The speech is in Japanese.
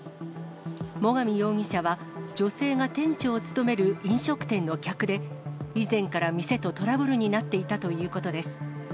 最上容疑者は、女性が店長を務める飲食店の客で、以前から店とトラブルになっていたということです。